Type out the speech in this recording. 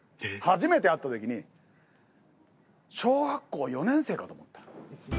初めて会った時に小学校４年生かと思った。